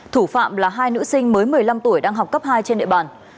thủ phạm là hai nữ sinh mới một mươi năm tuổi đang học cấp hai trên địa bàn